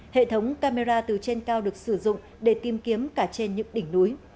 hệ thống camera từ trên cao được sử dụng để tìm kiếm cả trên những đỉnh núi